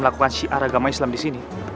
melakukan syiar agama islam disini